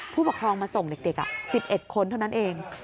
ผู้ปกครองมาส่งเด็ก๑๑คนเท่านั้นเอง